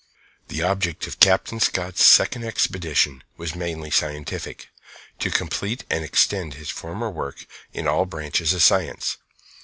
The object of Captain Scott's second expedition was mainly scientific, to complete and extend his former work in all branches of science.